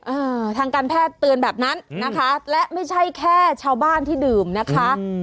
อ่าทางการแพทย์เตือนแบบนั้นนะคะและไม่ใช่แค่ชาวบ้านที่ดื่มนะคะอืม